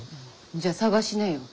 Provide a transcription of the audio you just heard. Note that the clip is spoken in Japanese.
じゃあ探しなよ。